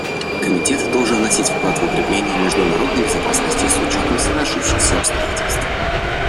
Комитет должен вносить вклад в укрепление международной безопасности с учетом сложившихся обстоятельств.